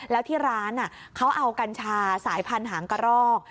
แล้วที่ร้านเขาเอากัญชาสายพันธุ์หางกระรอก